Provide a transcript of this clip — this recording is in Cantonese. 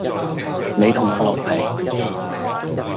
你同我落黎!